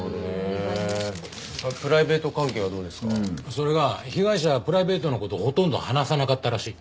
それが被害者はプライベートの事をほとんど話さなかったらしい。